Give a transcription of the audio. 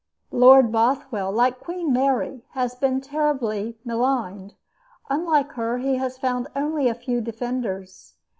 Lord Bothwell, like Queen Mary, has been terribly maligned. Unlike her, he has found only a few defenders.